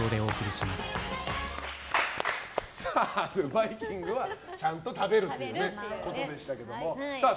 バイキングはちゃんと食べるということでしたけども。